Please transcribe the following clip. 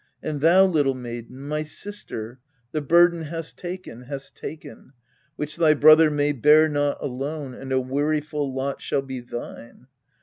And thou, little maiden, my sister x the burden hast taken, hast taken, Which thy brother may bear not alone, and a weariful lot shall be thine.